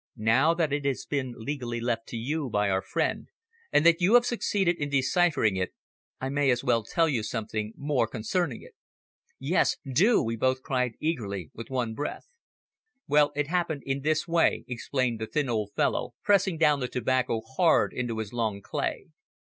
"Now that it has been legally left to you by our friend, and that you have succeeded in deciphering it, I may as well tell you something more concerning it." "Yes, do," we both cried eagerly with one breath. "Well, it happened in this way," explained the thin old fellow, pressing down the tobacco hard into his long clay.